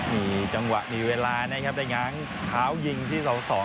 มีจังหวะมีเวลานะครับได้ง้างเท้ายิงที่เสาสอง